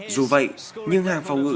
dù vậy nhưng hàng phòng ngự